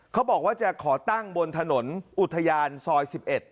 เขาบอกว่าจะขอตั้งบนถนนอุทยานซอย๑๑